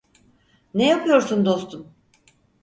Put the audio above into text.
Ne yapıyorsun dostum?